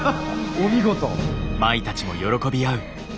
お見事。